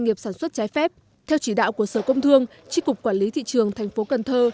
nghiệp sản xuất trái phép theo chỉ đạo của sở công thương tri cục quản lý thị trường thành phố cần thơ